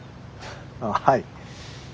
ああはい。